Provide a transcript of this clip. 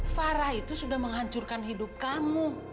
farah itu sudah menghancurkan hidup kamu